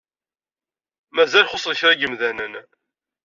Mazal xuṣṣen kraḍ n yemdanen.